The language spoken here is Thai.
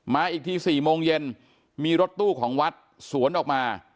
มาอีกที๔โมงเย็นมีรถตู้ของวัดสวนออกมา